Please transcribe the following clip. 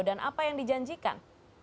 dan apa yang dijanjikan